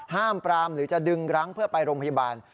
ห้ามปรามหรือจะดึงรั้งเพื่อไปโรงพยาบาล